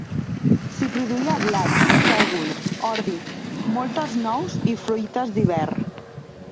S'hi produïa blat, sègol, ordi, moltes nous i fruites d'hivern.